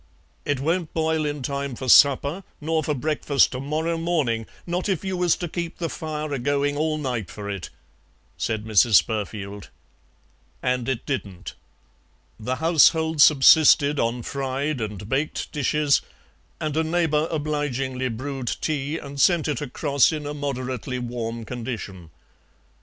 "It won't boil in time for supper, nor for breakfast to morrow morning, not if you was to keep the fire a going all night for it," said Mrs. Spurfield. And it didn't. The household subsisted on fried and baked dishes, and a neighbour obligingly brewed tea and sent it across in a moderately warm condition.